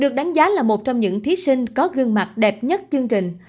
cô là một trong những thí sinh có gương mặt đẹp nhất chương trình